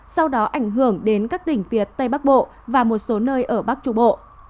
sau đó ảnh hưởng đến các tỉnh phía tây bắc bộ và một số nơi ở bắc trung bộ